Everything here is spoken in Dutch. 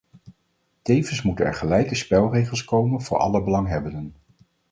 Tevens moeten er gelijke spelregels komen voor alle belanghebbenden.